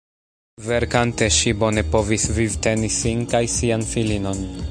Verkante ŝi bone povis vivteni sin kaj sian filinon.